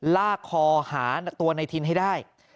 ลากคอหาตัวในทินให้ได้